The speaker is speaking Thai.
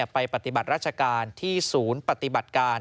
ปฏิบัติราชการที่ศูนย์ปฏิบัติการ